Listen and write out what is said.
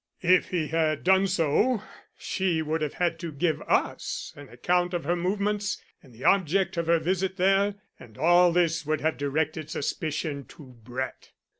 If he had done so she would have had to give us an account of her movements, and the object of her visit there, and all this would have directed suspicion to Brett.